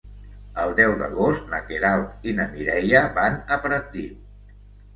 El deu d'agost na Queralt i na Mireia van a Pratdip.